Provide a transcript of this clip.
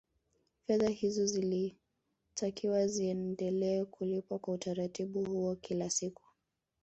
Fedha hizo zilitakiwa ziendelee kulipwa kwa utaratibu huo kila siku